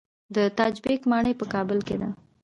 د تاج بیګ ماڼۍ په کابل کې ده